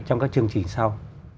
trong các chương trình sau